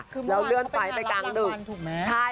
คือเมื่อวานเขาไปงานรับรางวัลถูกไหมคือเมื่อวานเขาไปงานรับรางวัลถูกไหม